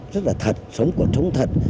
rất là thật sống của chúng thật